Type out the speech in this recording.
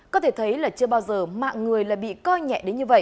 có thể thấy là chưa bao giờ mạng người lại bị coi nhẹ đến như vậy